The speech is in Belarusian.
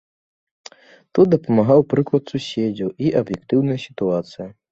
Тут дапамагаў прыклад суседзяў і аб'ектыўная сітуацыя.